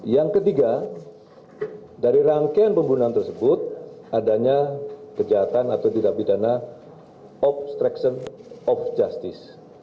yang ketiga dari rangkaian pembunuhan tersebut adanya kejahatan atau tidak pidana obstruction of justice